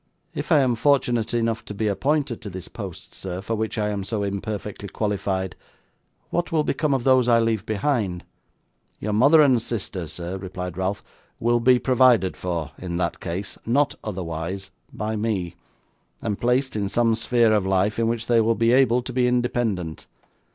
'If I am fortunate enough to be appointed to this post, sir, for which I am so imperfectly qualified, what will become of those I leave behind?' 'Your mother and sister, sir,' replied Ralph, 'will be provided for, in that case (not otherwise), by me, and placed in some sphere of life in which they will be able to be independent.